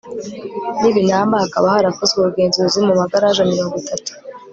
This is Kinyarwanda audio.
n ibinamba Hakaba harakozwe ubugenzuzi mu magaraje mirongo itatu